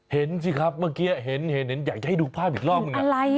เห็นสิครับเมื่อกี้เห็นอยากจะให้ดูภาพอีกรอบหนึ่ง